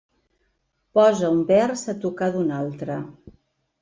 Posa un vers a tocar d'un altre.